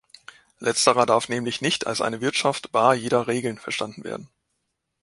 Letzterer darf nämlich nicht als eine Wirtschaft bar jeder Regeln verstanden werden.